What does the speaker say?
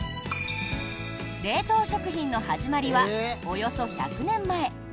冷凍食品の始まりはおよそ１００年前。